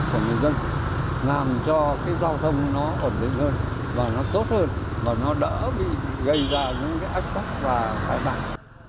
của người dân làm cho cái giao thông nó ổn định hơn và nó tốt hơn và nó đỡ bị gây ra những ách b firừng